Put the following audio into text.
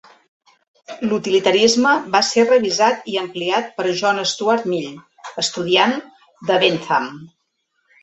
L'utilitarisme va ser revisat i ampliat per John Stuart Mill, estudiant de Bentham.